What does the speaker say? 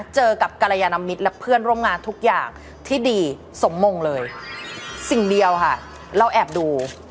เจอกับกรยานมิตรและเพื่อนร่วมงานทุกอย่างที่ดีสมมงเลยสิ่งเดียวค่ะเราแอบดู